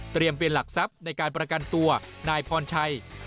เป็นหลักทรัพย์ในการประกันตัวนายพรชัย